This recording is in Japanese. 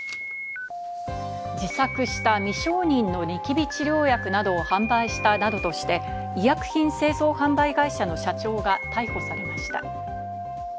自作した未承認のニキビ治療薬などを販売したなどとして、医薬品製造販売会社の社長が逮捕されました。